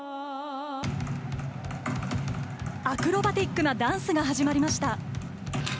アクロバティックなダンスが始まりました。